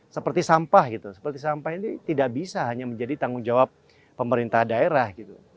seperti sampah gitu seperti sampah ini tidak bisa hanya menjadi tanggung jawab pemerintah daerah gitu